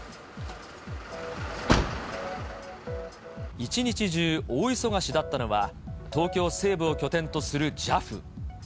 一日中、大忙しだったのは、東京西部を拠点とするＪＡＦ。